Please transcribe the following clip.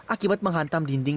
akibat menghantam dinding